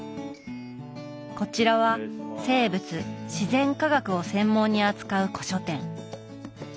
こちらは生物自然科学を専門に扱う古書店。